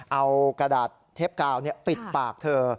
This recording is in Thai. เอากระดาษเทปกาวปิดปากเธอ